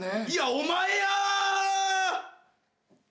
いやお前や！